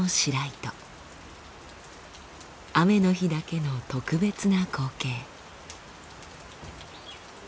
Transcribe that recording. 雨の日だけの特別な光景。